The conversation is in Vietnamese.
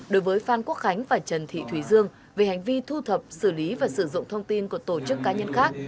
đối với phan quốc khánh và trần thị thùy dương về hành vi thu thập xử lý và sử dụng thông tin của tổ chức cá nhân khác